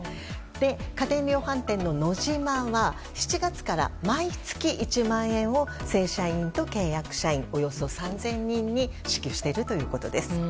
家電量販店のノジマは７月から毎月１万円を正社員と契約社員およそ３０００人に支給しているということです。